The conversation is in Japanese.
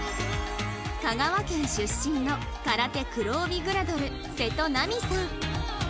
香川県出身の空手黒帯グラドル瀬戸なみさん